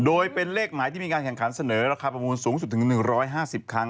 อืมนี่สูงมากเลยอ่ะ